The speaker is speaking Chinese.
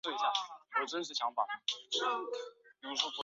罗克镇区为美国堪萨斯州马歇尔县辖下的镇区。